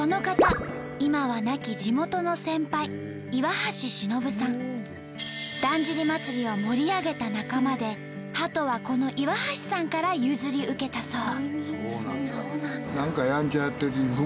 この方だんじり祭を盛り上げた仲間でハトはこの岩橋さんから譲り受けたそう。